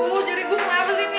tunggu jari gue ngapain sih ini